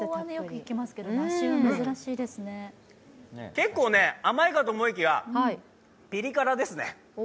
結構甘いかと思いきやピリ辛ですね。